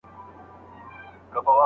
آیا لمرخاته تر لمرلوېدو هیله بخښونکی دی؟